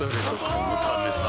このためさ